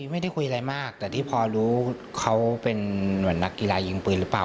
ไม่ได้คุยอะไรมากแต่ที่พอรู้เขาเป็นเหมือนนักกีฬายิงปืนหรือเปล่า